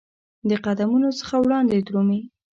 د قدمونو څخه وړاندي درومې